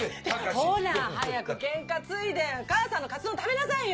ほら早く験担いで母さんのカツ丼食べなさいよ！